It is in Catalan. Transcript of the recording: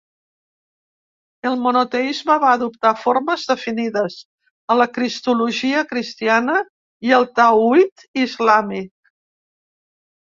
El monoteisme va adoptar formes definides a la cristologia cristiana i al tawhid islàmic.